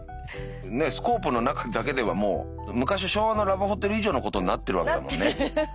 ねっスコープの中だけではもう昔昭和のラブホテル以上のことになってるわけだものね。なってる。